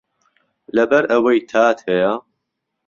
لەبەر ئەوەی تات هەیە